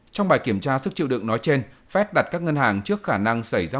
trong bài kiểm tra sức chịu đựng nói trên fed đặt các ngân hàng trước khả năng xảy ra